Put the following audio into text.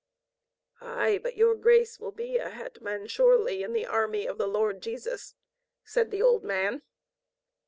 "Aye, but your grace will be a hetman surely in the army of the Lord Jesus," said the old man.